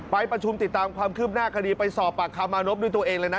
ไปประชุมติดตามความคืบหน้าคดีไปสอบปากคำมานพด้วยตัวเองเลยนะ